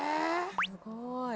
すごい。